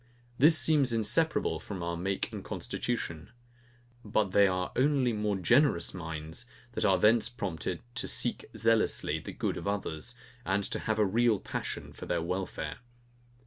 This seems inseparable from our make and constitution. But they are only more generous minds, that are thence prompted to seek zealously the good of others, and to have a real passion for their welfare.